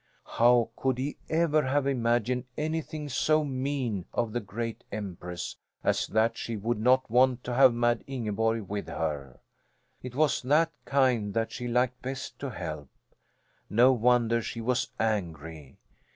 How could he ever have imagined anything so mean of the great Empress as that she would not want to have Mad Ingeborg with her! It was that kind that she liked best to help. No wonder she was angry!